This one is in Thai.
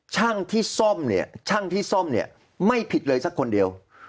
ช่างที่ซ่อมเนี่ยไม่ผิดเลยสักคนเดียว